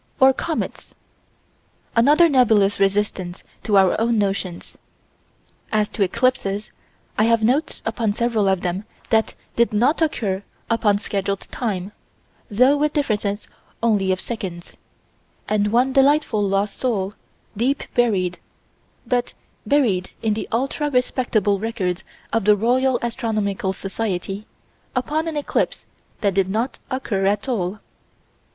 Or comets: another nebulous resistance to our own notions. As to eclipses, I have notes upon several of them that did not occur upon scheduled time, though with differences only of seconds and one delightful lost soul, deep buried, but buried in the ultra respectable records of the Royal Astronomical Society, upon an eclipse that did not occur at all.